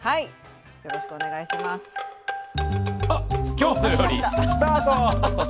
「きょうの料理」スタート！